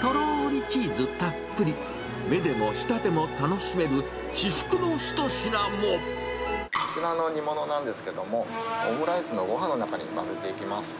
とろーりチーズたっぷり、目でも舌でも楽しめる、こちらの煮物なんですけれども、オムライスのごはんの中に混ぜていきます。